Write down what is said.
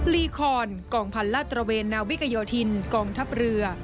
ลีคอนกองพันลาดตระเวนนาวิกโยธินกองทัพเรือ